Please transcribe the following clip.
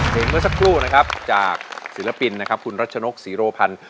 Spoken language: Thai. เมื่อสักครู่นะครับจากศิลปินนะครับคุณรัชนกศรีโรพันธ์